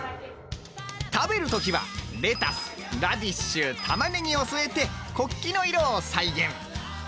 食べる時はレタスラディッシュたまねぎを添えて国旗の色を再現。